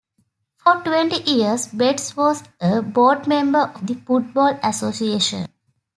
For twenty years, Betts was a board member of the Football Association.